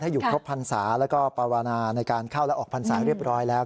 อยู่ครบพรรษาแล้วก็ปาวานาในการเข้าและออกพรรษาเรียบร้อยแล้ว